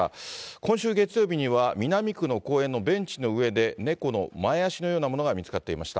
今週月曜日には、南区の公園のベンチの上で、猫の前足のようなものが見つかっていました。